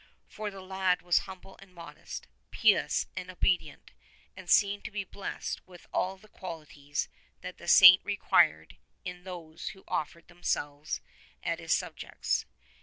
For the lad was humble and modest, pious and obedient, and seemed to be blessed with all the qualities that the Saint required in those who offered themselves as his subjects.